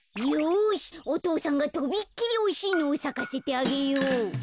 よしおとうさんがとびっきりおいしいのをさかせてあげよう。